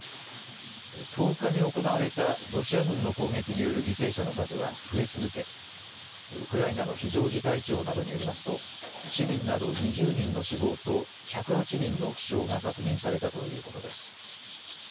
１０日に行われたロシア軍の攻撃による犠牲者の数は増え続け、ウクライナの非常事態庁などによりますと、市民など２０人の死亡と、１０８人の負傷が確認されたということです。